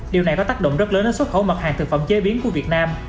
điều này có tác động rất lớn đến xuất khẩu mặt hàng thực phẩm chế biến của việt nam